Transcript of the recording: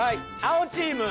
青チーム。